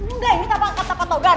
udah ini tak pangkat sama patogar